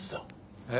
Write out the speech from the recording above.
えっ？